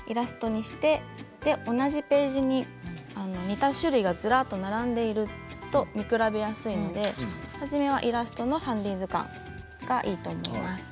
そして同じページに似た種類がずらっと並んでいると見比べやすいので初めはイラストのハンディー図鑑がいいと思います。